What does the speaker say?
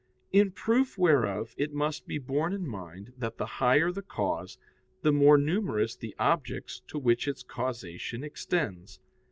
In proof whereof it must be borne in mind that the higher the cause, the more numerous the objects to which its causation extends.